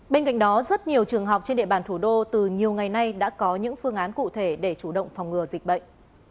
bên cạnh đó rất nhiều trường học trên địa bàn thủ đô từ nhiều ngày nay đã có những phương án cụ thể để chủ động phòng ngừa dịch bệnh